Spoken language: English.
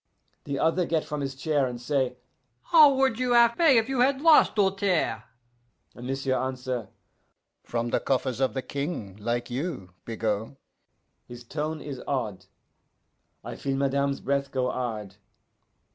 The other get from his chair, and say, 'How would you have pay if you had lost, Doltaire?' And m'sieu' answer, 'From the coffers of the King, like you, Bigot' His tone is odd. I feel madame's breath go hard.